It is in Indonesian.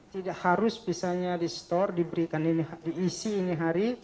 tidak harus misalnya di store diberikan ini diisi ini hari